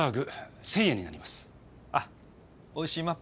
あっ「おいしいマップ」